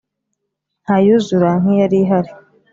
Ntayuzura nkiyali ihali.